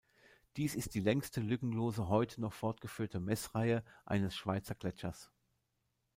Dies ist die längste lückenlose heute noch fortgeführte Messreihe eines Schweizer Gletschers.